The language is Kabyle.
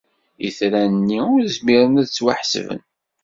Itran-nni ur zmiren ad ttwaḥesben.